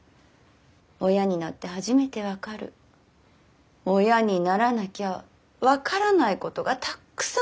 親になって初めて分かる親にならなきゃ分からないことがたくさんあるのに。